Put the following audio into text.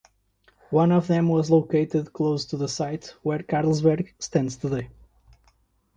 One of them was located close to the site where Carlsberg stands today.